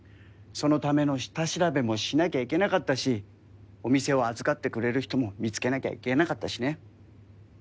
そのための下調べもしなきゃいけなかったしお店を預かってくれる人も見つけなきゃいけなかったしね。